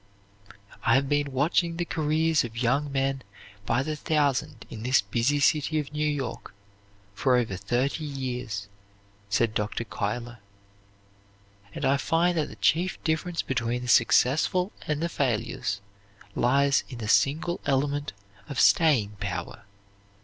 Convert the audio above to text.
"I have been watching the careers of young men by the thousand in this busy city of New York for over thirty years," said Dr. Cuyler, "and I find that the chief difference between the successful and the failures lies in the single element of staying power.